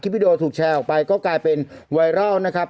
วิดีโอถูกแชร์ออกไปก็กลายเป็นไวรัลนะครับ